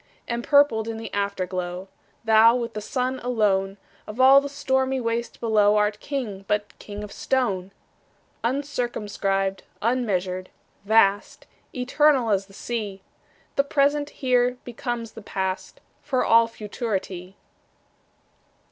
Empurpled in the Afterglow, Thou, with the Sun alone, Of all the stormy waste below, Art King, but king of stone! Uncircumscribed, unmeasured, vast, Eternal as the Sea, The present here becomes the past, For all futurity.